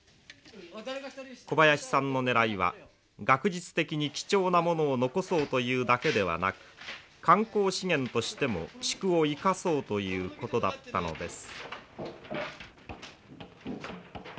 小林さんのねらいは学術的に貴重なものを残そうというだけではなく観光資源としても宿を生かそうということだったのです。